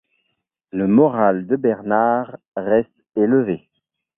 Le moral de Bernard reste élevé.